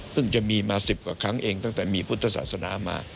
จะมีมา๑๐กว่าครั้งเองตั้งแต่มีพุทธศาสนามา